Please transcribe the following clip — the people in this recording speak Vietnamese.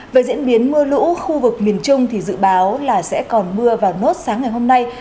về diễn biến mưa lũ khu vực miền trung thì dự báo là sẽ còn mưa vào nốt sáng ngày hôm nay